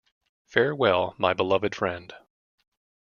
Fare well, my beloved friend.